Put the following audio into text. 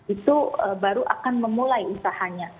itu baru akan memulai usahanya